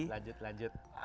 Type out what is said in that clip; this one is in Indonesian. lanjut lanjut lanjut